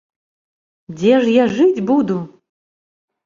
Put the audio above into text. Дзе ж я жыць буду?